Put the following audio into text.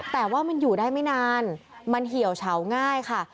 แต่ว่ามันอยู่ได้ไม่นานมันเหี่ยวเฉาง่ายค่ะ